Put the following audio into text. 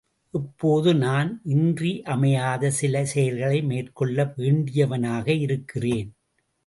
இப்போது நான் இன்றியமையாத சில செயல்களை மேற்கொள்ள வேண்டியவனாக இருக்கிறேன்.